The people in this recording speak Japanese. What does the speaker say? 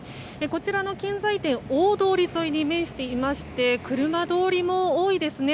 こちらの建材店大通り沿いに面していまして車通りも多いですね。